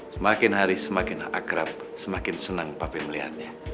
semakin hari semakin akrab semakin senang pabe melihatnya